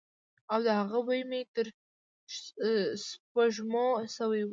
او د هغه بوی مې تر سپوږمو شوی وی.